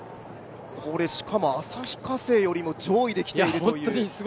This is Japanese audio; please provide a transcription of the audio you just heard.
しかも、旭化成よりも上位で来たという。